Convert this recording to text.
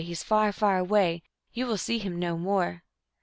He is far, far away ; You will see him no more."